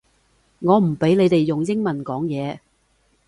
我唔畀你哋用英文講嘢